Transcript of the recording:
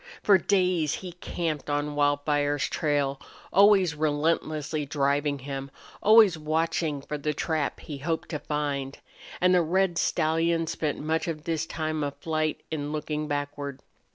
For days he camped on Wildfire's trail, always relentlessly driving him, always watching for the trap he hoped to find. And the red stallion spent much of this time of flight in looking backward.